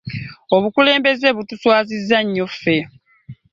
Obukulembeze butuswazizza nnyo ffe.